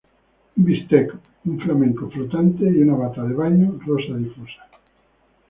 Un bistec, un flamenco flotante y una bata de baño rosa difusa.